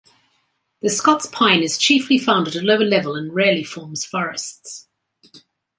The Scots pine is chiefly found at a lower level and rarely forms forests.